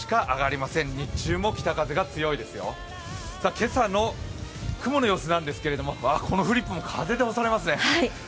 今朝の雲の様子なんですけどこのフリップも風で押されますね。